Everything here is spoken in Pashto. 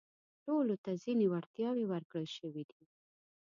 ټولو ته ځينې وړتياوې ورکړل شوي دي.